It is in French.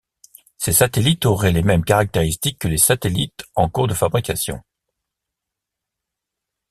Ces satellites auraient les mêmes caractéristiques que les satellites en cours de fabrication.